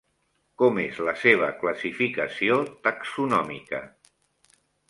Com és la seva classificació taxonòmica?